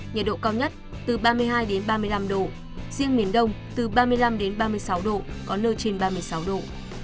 nhiệt độ cao nhất từ ba mươi hai ba mươi năm độ riêng miền đông từ ba mươi năm ba mươi sáu độ có nơi trên ba mươi sáu độ